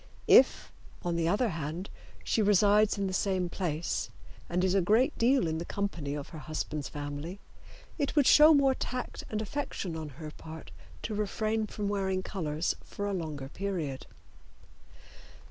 If, on the other hand, she resides in the same place and is a great deal in the company of her husband's family, it would show more tact and affection on her part to refrain from wearing colors for a longer period.